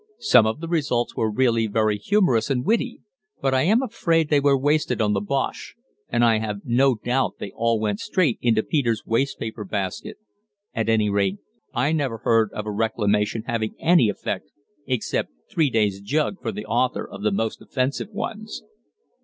Some of the results were really very humorous and witty, but I am afraid they were wasted on the Bosche, and I have no doubt they all went straight into Peters' wastepaper basket at any rate, I never heard of a Reclamation having any effect except three days' "jug" for the author of the most offensive ones.